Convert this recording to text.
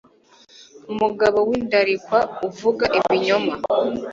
Umugabo windarikwa uvuga ibinyoma